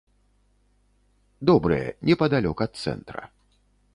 Добрыя, непадалёк ад цэнтра.